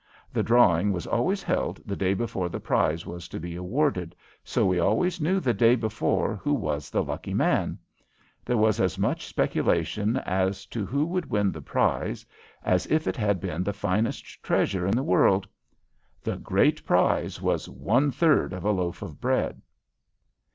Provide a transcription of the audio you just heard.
The drawing was always held the day before the prize was to be awarded, so we always knew the day before who was the lucky man. There was as much speculation as to who would win the prize as if it had been the finest treasure in the world. The great prize was one third of a loaf of bread.